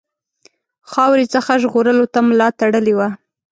خاورې څخه یې ژغورلو ته ملا تړلې وه.